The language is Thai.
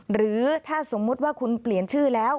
หรือถ้าสมมุติว่าคุณเปลี่ยนชื่อแล้ว